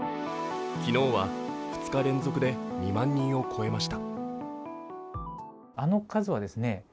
昨日は２日連続で２万人を超えました。